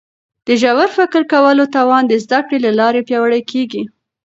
د ژور فکر کولو توان د زده کړي له لارې پیاوړی کیږي.